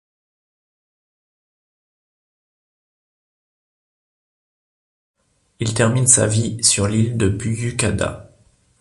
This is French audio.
Il termine sa vie sur l'île de Büyükada.